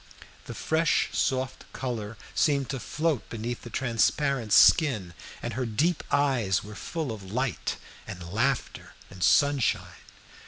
The fresh soft color seemed to float beneath the transparent skin, and her deep eyes were full of light and laughter and sunshine.